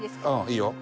いいよ。